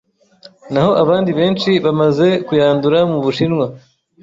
naho abandi benshi bamaze kuyandura mu Bushinwa,